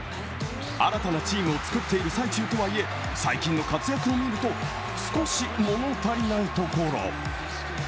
新たなチームをつくっている最中とはいえ最近の活躍を見ると少し物足りないところ。